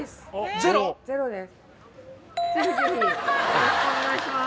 是非是非よろしくお願いします。